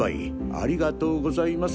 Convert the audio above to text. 「ありがとうございます」。